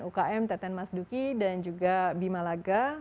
ukm teten mas duki dan juga bimalaga